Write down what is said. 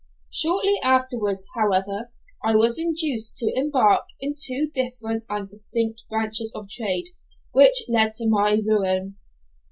Shortly afterwards, however, I was induced to embark in two different and distinct branches of trade, which led to my ruin.